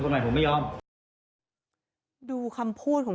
พระคุณที่อยู่ในห้องการรับผู้หญิง